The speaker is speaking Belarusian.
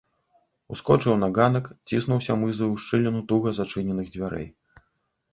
Ускочыў на ганак, ціснуўся мызаю ў шчыліну туга зачыненых дзвярэй.